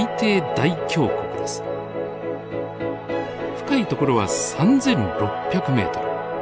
深い所は３，６００メートル。